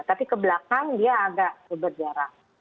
tapi kebelakang dia agak berjarak